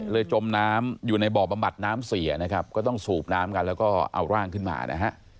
จมน้ำอยู่ในบ่อบำบัดน้ำเสียนะครับก็ต้องสูบน้ำกันแล้วก็เอาร่างขึ้นมานะฮะ